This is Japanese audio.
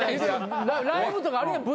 ライブとかあるやん